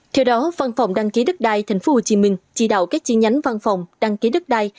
theo đó văn phòng đăng ký đất đai tp hcm chỉ đạo các chi nhánh văn phòng đăng ký đất đai